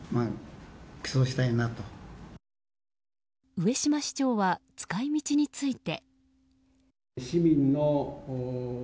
上島市長は使い道について。